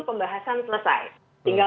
pembahasan selesai tinggal